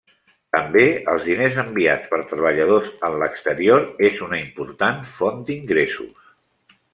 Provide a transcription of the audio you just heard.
També els diners enviats per treballadors en l'exterior és una important font d'ingressos.